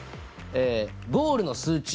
えゴールの数値。